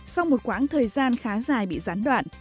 sau một quãng thời gian khá dài bị gián đoạn